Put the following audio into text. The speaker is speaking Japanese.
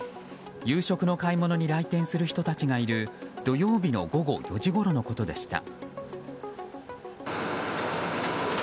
夕食の買い物に来店する人たちがいる土曜日の午後５時ごろのことでした。